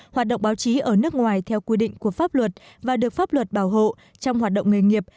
hoạt động báo chí ở nước ngoài theo quy định của pháp luật và được pháp luật bảo hộ trong hoạt động nghề nghiệp